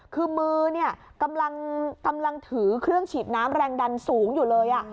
คือมือเนี่ยกำลังถือเครื่องฉีดน้ำแรงดันสูงอยู่เลย